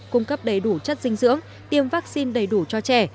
cung cấp đầy đủ chất dinh dưỡng tiêm vaccine đầy đủ cho trẻ